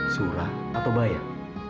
surah atau bayah